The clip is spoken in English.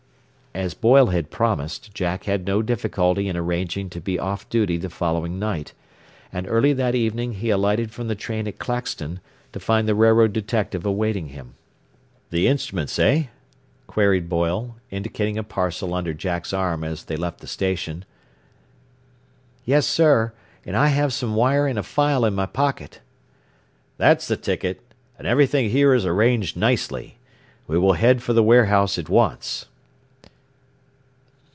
As Boyle had promised, Jack had no difficulty in arranging to be off duty the following night, and early that evening he alighted from the train at Claxton, to find the railroad detective awaiting him. "The instruments, eh?" queried Boyle, indicating a parcel under Jack's arm as they left the station. "Yes, sir; and I have some wire and a file in my pocket." "That's the ticket. And everything here is arranged nicely. We will head for the warehouse at once."